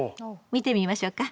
見てみましょうか。